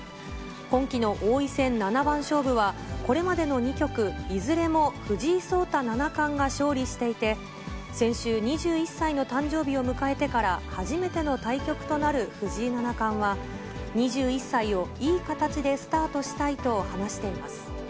今期の王位戦七番勝負は、これまでの２局いずれも藤井聡太七冠が勝利していて、先週、２１歳の誕生日を迎えてから初めての対局となる藤井七冠は、２１歳をいい形でスタートしたいと話しています。